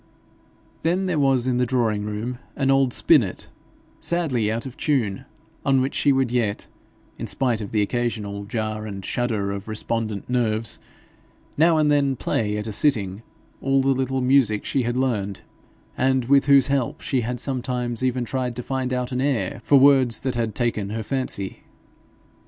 Then there was in the drawing room an old spinnet, sadly out of tune, on which she would yet, in spite of the occasional jar and shudder of respondent nerves, now and then play at a sitting all the little music she had learned, and with whose help she had sometimes even tried to find out an air for words that had taken her fancy.